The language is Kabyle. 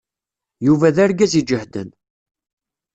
Yuba d argaz iǧehden.